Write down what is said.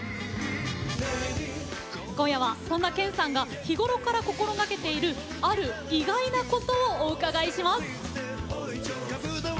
今夜は、そんな剣さんが日頃から心がけているある意外なことをお伺いします。